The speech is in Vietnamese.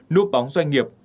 nút bóng doanh nghiệp